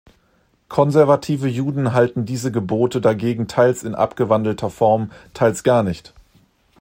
Konservative Juden halten diese Gebote dagegen teils in abgewandelter Form, teils gar nicht.